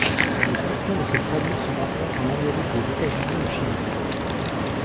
Les scorpions de cette famille se rencontrent en Amérique des États-Unis au Chili.